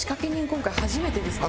今回初めてですね。